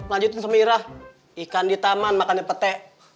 lanjutin sama irah ikan di taman makannya pete